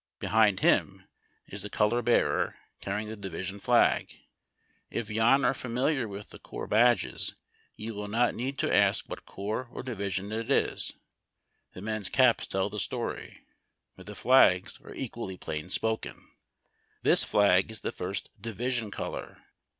Behind him is the color bearer, carrying tlie division flag. If you are familiar Avith the corps badges, you will not need to ask what corps or division it is. The men's caps tell the story, but the flags are equally plain spoken. This flag is the first division color.